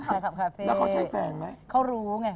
เขาขับคาเฟ่แล้วเขาใช้แฟนไหม